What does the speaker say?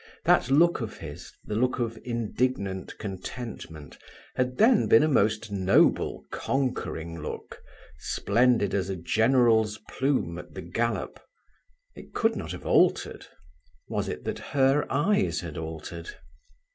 That look of his, the look of "indignant contentment", had then been a most noble conquering look, splendid as a general's plume at the gallop. It could not have altered. Was it that her eyes had altered?